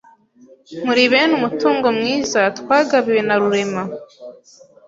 Muri bene umutungo mwiza twagabiwe narurema